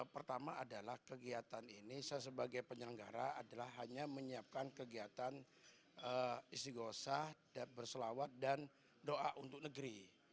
pertama adalah kegiatan ini saya sebagai penyelenggara adalah hanya menyiapkan kegiatan istighosah berselawat dan doa untuk negeri